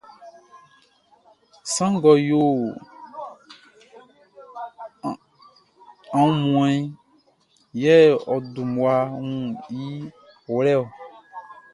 Sran ngʼɔ yo aunmuanʼn, yɛ ɔ dun mmua wun i wlɛ-ɔ.